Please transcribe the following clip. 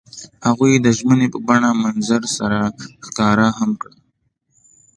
هغوی د ژمنې په بڼه منظر سره ښکاره هم کړه.